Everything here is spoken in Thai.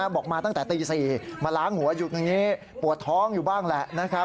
บอกมาตั้งแต่ตี๔มาล้างหัวอยู่ตรงนี้ปวดท้องอยู่บ้างแหละนะครับ